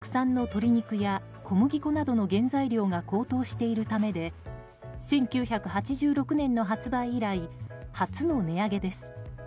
国産の鶏肉や小麦粉などの原材料が高騰しているためで１９８６年の発売以来初の値上げです。